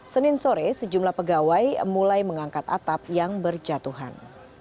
senin sore sejumlah pegawai mulai mengangkat atap yang berjatuhan